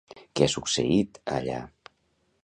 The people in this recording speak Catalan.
Què ha succeït allà?